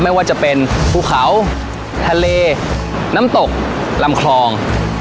ไม่ว่าจะเป็นภูเขาทะเลน้ำตกลำคลอง